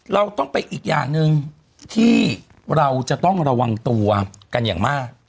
เราต้องเป็นอีกอย่างหนึ่งที่เราจะต้องระวังตัวกันอย่างมาก